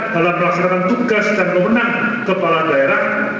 dalam melaksanakan tugas dan pemenang kepala daerah